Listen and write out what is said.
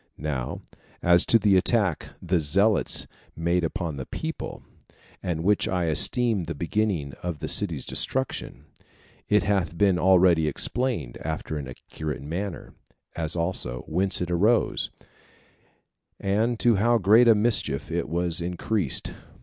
Now as to the attack the zealots made upon the people, and which I esteem the beginning of the city's destruction, it hath been already explained after an accurate manner; as also whence it arose, and to how great a mischief it was increased.